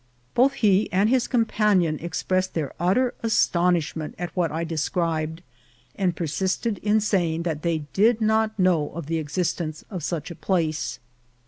Both he and his companion expressed their utter astonishment at what I described, and persisted in saying that they did not know of the existence of such a place.